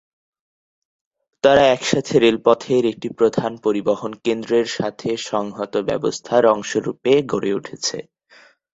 তারা একসাথে রেলপথের একটি প্রধান পরিবহন কেন্দ্রর সাথে সংহত ব্যবস্থার অংশ রূপে গড়ে উঠেছে।